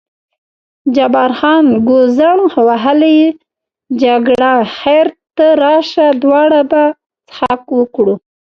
جبار خان: ګوزڼ وهلې جګړه، خیر ته راشه دواړه به څښاک وکړو.